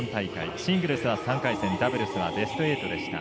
シングルスは３回戦ダブルスはベスト８でした。